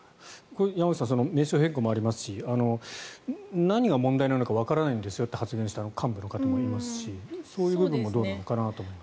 山口さん名称変更もありますし何が問題なのかわからないですよと発言をした幹部の方もいらっしゃいますしそういうのもどうなのかなと。